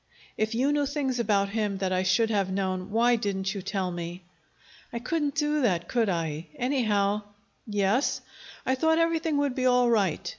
"If you knew things about him that I should have known, why didn't you tell me?" "I couldn't do that, could I? Anyhow " "Yes?" "I thought everything would be all right.